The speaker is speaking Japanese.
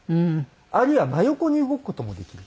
あるいは真横に動く事もできる。